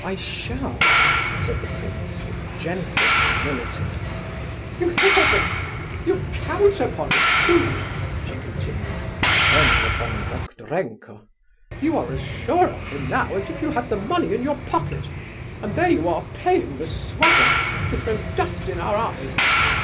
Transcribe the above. "I shall," said the prince, with gentle humility. "You hear him! You count upon it, too," she continued, turning upon Doktorenko. "You are as sure of him now as if you had the money in your pocket. And there you are playing the swaggerer to throw dust in our eyes!